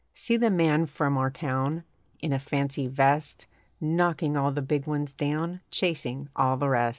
See the man from our town. In a fancy vest, Knocking all the big ones down, Chasing all the rest.